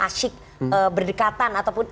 asyik berdekatan ataupun